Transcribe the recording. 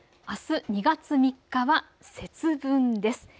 あす２月３日は節分です。